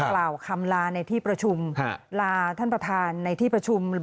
กล่าวคำลาในที่ประชุมลาท่านประธานในที่ประชุม